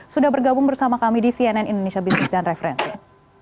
sudah bergabung bersama kami di cnn indonesia business dan referensi